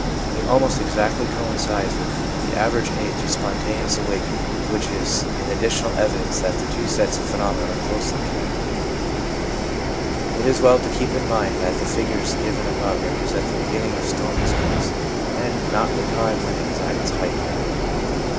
It almost exactly coincides with the average age of spontaneous awakening, which is an additional evidence that the two sets of phenomena are closely connected. It is well to keep in. mind that the figures given above represent the beginning of storm and stress, and 16 222 THE PSYCHOLOGY OF RELIGION not the time when it is at its height.